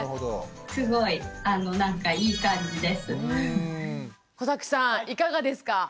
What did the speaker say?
すごいなんか小崎さんいかがですか？